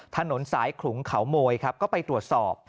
ถนนสายขลุงเขาโมยครับก็ไปตรวจสอบ